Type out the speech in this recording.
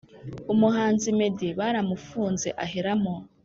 Umuhanzi meddy baramufunze aheramo